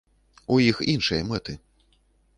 У іх іншыя мэты.